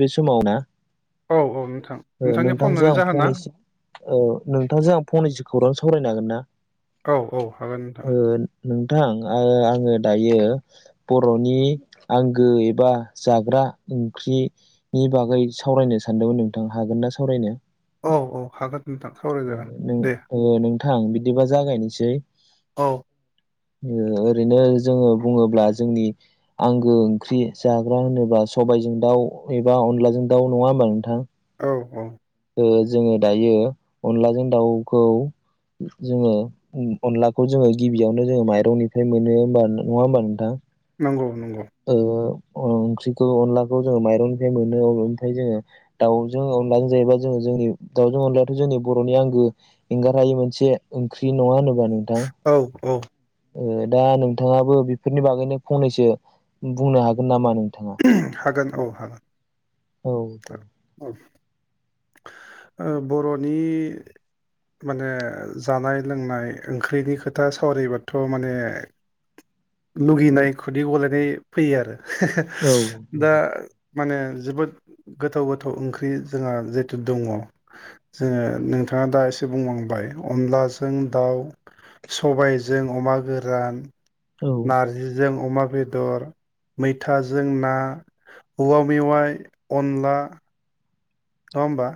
बे समाव ना औ औ नोंथां ओ नोंथांनि फन नोंथांजों हरनायनि आं जाहोना फंनैसो औ नोंथांजों आं फंनैसो खौरां सावरायनो हांगोन ना औ औ हागोन नोंथां थां आङो दायो बर'नि आंगो एबा जाग्रा ओंख्रिनि बागै सावरायनो सानदोंमोन नोंथां हागोन ना सावरायनो औ औ हागोन। नोंथां ओ सावरायजागोन नों दे ओ नोंथां बिदिबा जागायनोसै औ ओरैनो जोङो बुङोब्ला जोंनि आंगो ओंख्रि जाग्रा होनोब्ला सबायजों दाउ एबा अनलाजों दाउ नङा होमबा नोंथां? औ औ ओ जोङो दायो अनलाजों दाउखौ जोङो अनलाखौ जोङो गिबियावनो जोङो माइरंनिफ्राय मोनो होमबा नङा होमबा नोंथां? नंगौ नंगौ औ औ ओंख्रिखौ अनलाखौ जोङो माइरंनिफ्राय मोनो ओफ्राय जोङो दाउजों अनलाजों जायोबा जोङो जोंनि दाउजों अनलायाथ' जोंनि बर'नि आंगो एंगार हायै मोनसे ओंख्रि नङा होनो औ औ ओ दा नोंथाङाबो बेफोरनि बागैनो फंनैसो बुंनो हागोन नामा नों? ओम हागोन औ हागोन। औ दे। औ ओ बर'नि माने जानाय लोंनाय ओंख्रिनि खोथा सावरबाथ' माने लुगैनाय खुदै गलायनाय फैयो आरो हे हे औ दा माने जोबोद गोथाव गोथाव ओंख्रि जोंहा जिहेतु दङ जोङो नोंथाङा दा एसे बुंलांबाय अनलाजों दाउ सबायजों अमा गोरान औ नारजिजों अमा बेदर मैथाजों ना औवा मेवाइ अनला नङा होमबा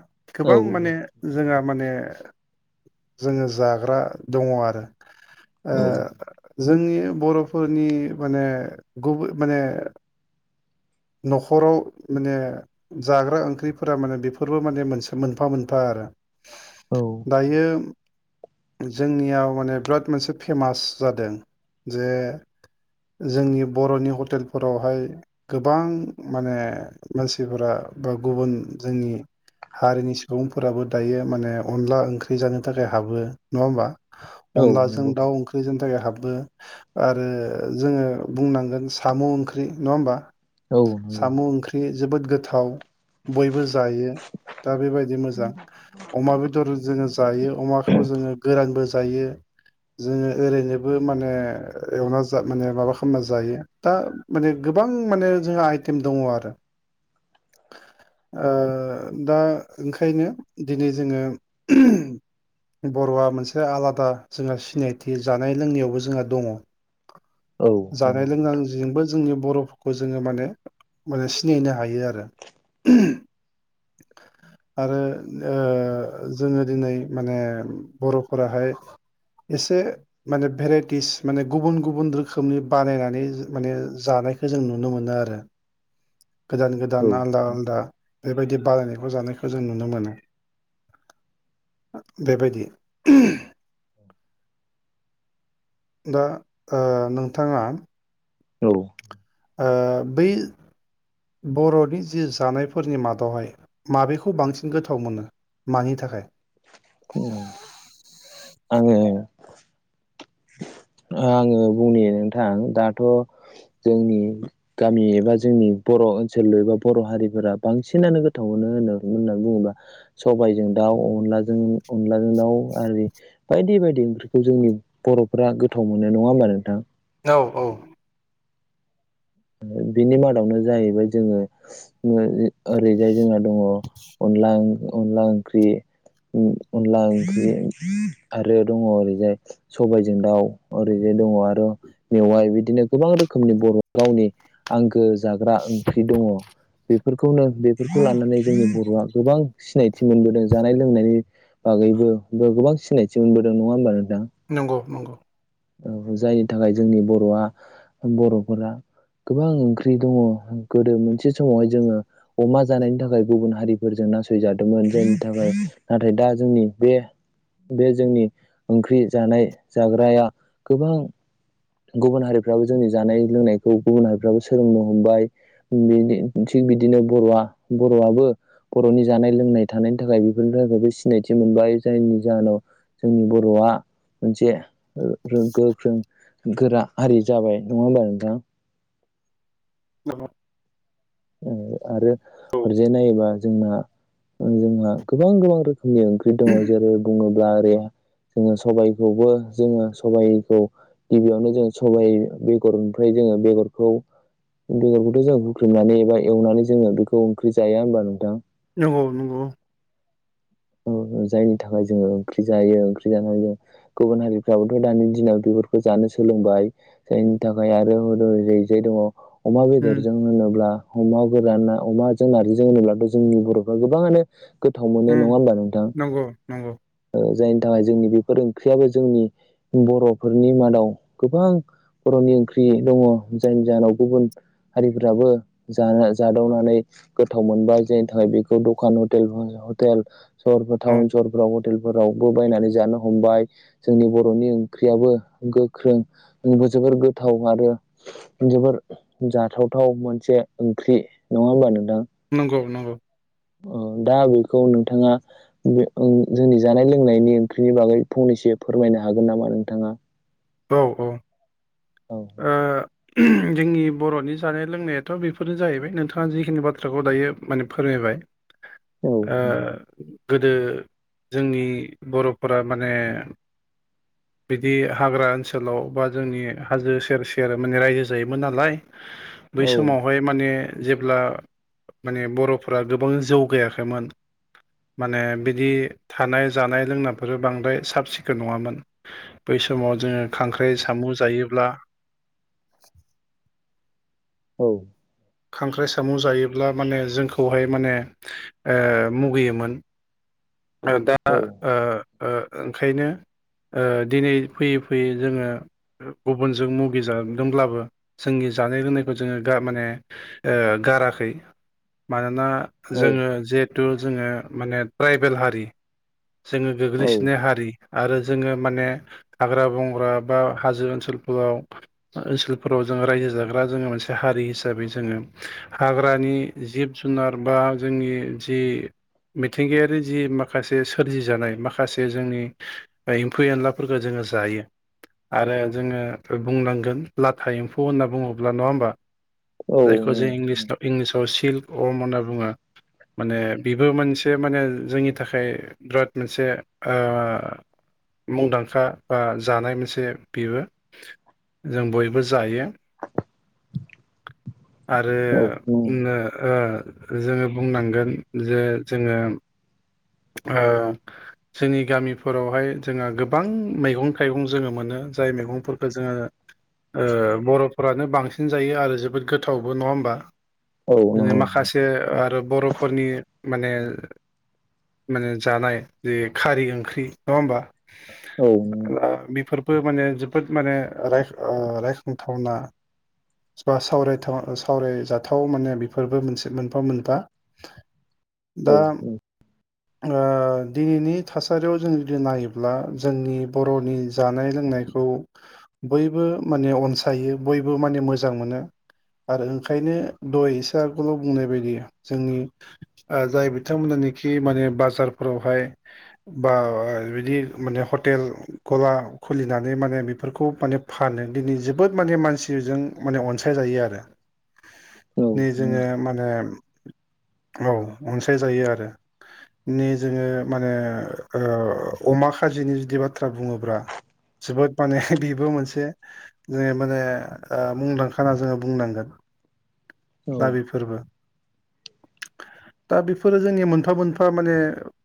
औ गोबां माने जोंहा माने जोङो जाग्रा दङ आरो औ जोंनि बर'फोरनि माने गुबुन माने न'खराव माने जाग्रा ओंख्रिफोरा माने बेफोरबो माने मोनसे मोनफा मोनफा आरो औ दायो जोंनियाव माने बिराद मोनसे फेमास जादों जे जोंनि बर'नि हटेलफोरावहाय गोबां माने मानसिफोरा बा गुबुन जोंनि हारिनि सुबुंफोराबो दायो माने अनला ओंख्रि जानो थाखाय हाबो नङा होमबा? औ अनलाजों नंगौ दाउ ओंख्रि जायनि थाखाय हाब बो आरो जोङो बुंनांगोन साम' ओंख्रि नङा होमबा? औ नंगौ साम' ओंख्रि जोबोद गोथाव बयबो जायो। दा बेबायदि मोजां अमा बेदर जोङो जायो अमाखौ जोङो गोरानबो जायो। जोङो ओरैनोबो माने एवना जा माने माबा खालामना जायो दा माने गोबां माने जोंहा आइटेम दङ आरो ओ दा ओंखायनो दिनै जोङो बर'आ मोनसे आलादा जोंहा सिनायथि जानाय लोंनायावबो जोंहा दङ औ जानाय नंगौ लोंनायजोंबो जोंनि बर'फोरखौ जोङो माने माने सिनायनो हायो आरो [inaudible] आरो ओ जोङो दिनै माने बर'फोराहाय एसे माने भेराइटिस माने गुबुन गुबुन रोखोमनि बानायनानै माने जानो नायखो जों नुनो मोनो आरो गोदान गोदान आलदा आलदा बेबायदि बारायनायखौ जानायखौ जों नुनो मोनो बेबायदि दा ओ नोंथाङा औ ओ बेै बर'नि जि जानायफोरनि मादावहाय माबेखौ बांसिन गोथाव मोनो मानि थाखाय आंङो आङो बुंनि नोंथां दाथ' जोंनि गामि एबा जोंनि बर' ओनसोल एबा बर' हारिफोरा बांसिनानो गोथाव मोनो होनो होननानै बुङोबा सबाइजों दाउ अनलाजों अनलाजों दाव आरि बायदि बायदि ओंख्रिखौ जोंनि बर'फोरा गोथाव मोनो नङा होमबा नोंथां औ औ बिनि मादावनो जाहैबाय जोङो ओ ओरैजाय जोंहा दङ अनला ओं अनला ओंख्रि अनला ओंख्रि आरो दङ ओरैजाय सबायजों दाउ ओरैजाय दङ आरो मेवाय बिदिनो गोबां रोखोमनि बर' गावनि आंगो जाग्रा ओंख्रि दङ बे फोरखौनो बेफोरखौ लानानै जोंनि बर'आ गोबां सिनायथि मोनबोदों जानाय लोंनायनि बागैबो गोबां सिनायथि मोनबोदों नङा होमबा नों नंगौ नंगौ औ जायनि थाखाय जोंनि बर'आ बर'फोरा गोबां ओंख्रि दङ गोदो मोनसे समावहाय जोङो अमा जानायनि थाखाय गुबुन हारिफोरजों नासयजादोंमोन जायनि थाखाय नाथाय दा जोंनि बे बे जोंनि ओंख्रि जानाय जाग्राया गोबां गुबुन हारिफ्राबो जोंनि जानाय लोंनायखौ गुबुन हारिफ्राबो सोलोंनो हमबाय बेनि बिदिनो' बर'आ बर'आबो बर'नि जानाय लोंनाय थानायनि थाखाय बेफोरनि थाखायबो सिनायथि मोन बाय जायनि जाहोनाव जोंनि बर'आ मोनसे ओ रों-गोख्रों गोरा हारि जाबाय नङा होमबा नोंथां? [unintelligible] आरो हरैजाय नायोबा जोंना जोंना गोबां गोबां रोख खोमनि ओंख्रि दङ जेरै बुङोब्ला ओरै जोङो सबाइखौबो जोङो सबाइखौ गिबियावनो जोङो सबाइ बेगरनिफ्राय जोङो बेगरखौ बेगरखौथ' जोङो हुख्रेमनानै एबा एवनानै जोङो बेखौ ओंख्रि जाया होमबा नोंथां? नंगौ नंगौ। जायनि थाखाय जोङो ओंख्रि जायो ओंख्रि जानानै जों गुबुन हारिफ्राबोथ' दानि दिनाव बेफोरखौ जानो सोलोंबाय। जायनि थाखाय आरो [unintelligible] जाय दङ अमा उम बेदरजों होनोब्ला अमा गोराना अमाजों नारजिजों होनोब्लाथ' जोंनि बर'फ्रा गोबाङानो गोथाव मोनो नङा उम होमबा? नोंथां नंगौ नंगौ। जायनि थाखाय जोंनि बेफोर ओंख्रियाबो जोंनि बर'फोरनि मादाव गोबां बर'नि ओंख्रि दङ जायनि जाहोनाव गुबुन हारिफ्राबो जाना जादावनानै गोथाव मोन बाय जायनि थाखाय बेखौ दखान हटेल [unintelligible] हटेल सहरफोर औ टाउन सहरफोराव हटेलफोरावबो बायनानै जानो हमबाय जोंनि बर'नि ओंख्रियाबो गोख्रों जोबोर गोथाव आरो जोबोर जाथावथाव मोनसे ओंख्रि नङा होमबा नों नंगौ नंगौ। अ दा बेखौ नोंथाङा बे ओं जोंनि जानाय लोंनायनि ओंख्रिनि बागै फंनैसो फोरमायनो हागोन नामा नोंथाङा! औ औ ओ औ जोंनि बर'नि जानाय लोंनायाथ' बेफोरनो जाहैबाय नोंथाङा जिखिनि बाथ्राखौ दायो माने फोरमायबाय। आ औ गोदो जोंनि बर'फोरा माने बिदि हाग्रा ओनसोलाव बा जोंनि हाजो सेर सेर माने रायजो जायोमोन नालाय बै औ समावहाय माने जेब्ला माने बर'फोरा गोबां जौगायाखैमोन माने बिदि थानाय जानाय लोंनायफोरा बांद्राय साब सिखोन नङामोन बैसा समाव जोङो खांख्राइ साम' जायोब्ला औ। खांख्राइ साम' जायोब्ला माने जोंखौहाय माने ओ मुगैयोमोन। ओ दा ओ औ ओ ओंखायनो ओ दिनै फैयै फैयै जोङो गुबुनजों मुगैजादोंब्लाबो जोंनि जानाय लोंनायखौ जोङो गार माने ओ गाराखै। मानोना औ जोङो जिहेथु जोङो माने ट्राइबेल हारि जोङो औ गोग्लैसोनाय हारि। आरो जोङो माने हाग्रा बंग्रा बा हाजो ओनसोलफोराव ओनसोलफोराव जो जों रायजो जाग्रा जोङो मोनसे हारि हिसाबै जोङो हाग्रानि जिब जुनार बा जों नि जि मिथिंगाया रि जि माखासे सोरजि जानाय माखासे जोंनि एम्फौ एनलाफोरखौ जोङो जायो। आरो जोङो बुंनांगोन लाथा एम्फौ होनना बुङोब्ला नङा होमबा? औ जायखौ जों इंलिस्थआव इंलिसाव सिल्क अर्म होनना बुङो। माने बेबो मोनसे माने जोंनि थाखाय बिराद मोनसे ओ मुंदांखा बा जानाय मोनसे बेबो। जों बयबो जायो। आरो ओङो ओ जोङो बुंनांगोन जे जोङो ओ जोंनि गामिफोरावहाय जोंहा गोबां मैगं थाइगं जोङो मोनो। जाय मैगंफोरखौ जोङो ओ बर'फोरानो बांसिन जायो आरो जोबोद गोथावबो नङा होमबा? बिनो माखासे आरो बर'फोरनि माने माने जानाय जि खारि ओंख्रि नङा होमबा? ओ बेफोर बो माने जोबोद माने रायख ओ रायखांथावना। बा सावरायथाव सावरायजाथाव माने बेफोरबो मोनसे मोनफा मोनफा दा ओ दिनैनि थासारियाव जों जुदि नायोब्ला जोंनि बर'नि जानाय लों लोंनायखौ बयबो माने अनसायो बयबो माने मोजां मोनो। आरो ओंखायनो दहय इसे आगोलाव बुंनाय बायदि जोंनि ओ जाय बिथांमोनानि खि माने बाजारफोरावहाय बा बिदि माने हटेल गला खुलिनानै माने बेफोरखौ माने फानो दिनै जोबोद माने मानसिजों माने अनसायजायो आरो। औ नि जोङो माने औ अनसायजायो आरो। नि जोङो माहोनो ओ अमा खाजिनि जुदि बाथ्रा बुङोब्ला जोबोद माने बेबो मोनसे जे माने ओ मुंदांखा होना जोङो बुंनांगोन। औ दा औ बेफोरबो दा बेफोरो जोंनि मोन फा मोनफा माने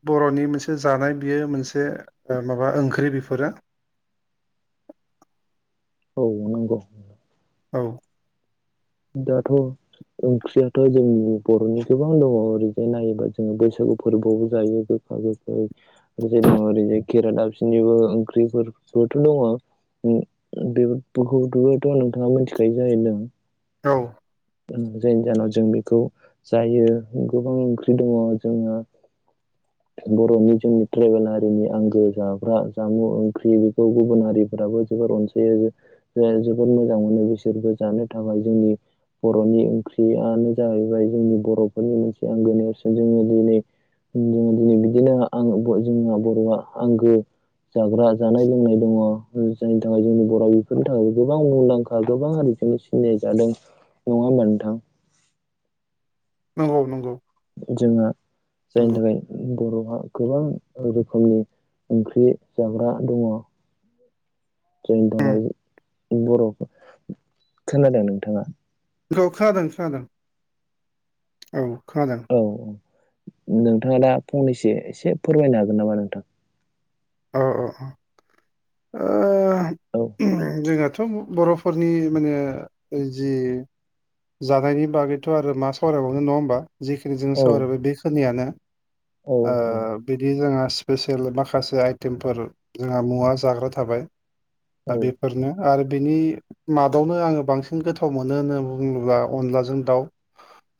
बर'नि मोनसे जानाय बियो मोनसे ओ माबा ओंख्रि बेफोरो। [inaudible] औ नंगौ। औ। दाथ' ओंख्रियाथ' जोंनि बर'नि गोबां दङ' ओरैजाय नायोबा जोङो बैसागु फोरबोआवबो जायो जो आरो ओरैजाय दङ ओरै खेरा दाबसिननिबो ओंख्रि जेराव जिहेथु दङ। उम बेफो बेखौबोथ' नोंथाङा मिथिखायो जाहैदों। औ जायनि जाहोनाव जों बेखौ जायो गोबां ओंख्रि दङ जोंना बर'नि जोंनि ट्राइबेल हारिनि आंगो जाग्रा जामुं ओंख्रि बेखौ गुबुन हारिफोराबो जोब बोर अनसायो जोबोद मोजां मोनो बिसोरबो जानो थाखाय जोंनि बर'नि ओंख्रियानो जाहैबाय जोंनि बर'फोरनि मोनसे आंगो नेरसोन जोङो दिनै जोङो दिनै बिदिनो आं जोंना बर'आ आंगो जाग्रा जानाय लोंनाय दङ जायनि थाखाय जोंनि बर' बेफोरनि थाखाय गोबां मुंदांखा गोबां हारि सिनाय जादों नङा होनबा नोंथां? नंगौ नंगौ जोंहा जायनि नंगौ थाखाय बर' गोबां रोखोमनि ओंख्रि जाग्रा दङ। जोंनि उम दहाय बर' खोनादों नोंथाङा औ खोनादों खोनादों औ खोनादों। औ नोंथाङा दा फंनैसो एसे फोरमायनो हागोन नामा नोंथां? औ औ ओ औ जोंनाथ' थ' बर'फोरनि माने जि जानायनि बागैथ' आरो मा सावरायबावनो नङा होमबा जिखिनि जोङो औ सावरायबाय बेखिनियानो औ ओ बिदि जोंङो स्पेसियेल माखासे आइटेमफोर जोंहा मुवा जाग्रा थाबाय। औ दा बेफोरनो आरो बेनि मादावनो आङो बांसिन गोथाव मोनो होननानै बुङोब्ला अनलाजों दाउ।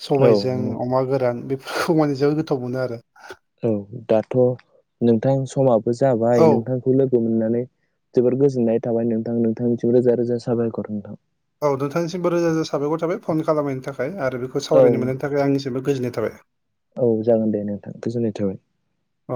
सबायाइजों औ अमा गोरान बेफोरखौ मानजों गोथाव मोनो आरो। औ दाथ' नोंथां समाबो औ जाबाय नोंथांखौ लोगो मोननानै जोबोद गोजोननाय थाबाय नोंथां नोंथांनिसिम रोजा रोजा साबायखर नोंथां। औ नोंथांनिसिमबो रोजा रोजा साबायखर थाबाय फन खालामनायनि थाखाय आरो बेखौ औ सावरायनो मोननायनि थाखाय आंन जोबोर गोजोन्नाय थाबाय। औ जागोन दे नोंथां गोजोननाय थाबाय। औ